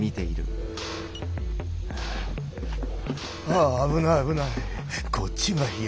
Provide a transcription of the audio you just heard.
・ああ危ない危ない。